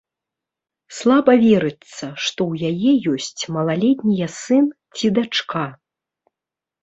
Слаба верыцца, што ў яе ёсць малалетнія сын ці дачка.